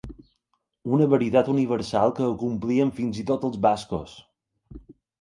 Una veritat universal que acomplien fins i tot els bascos!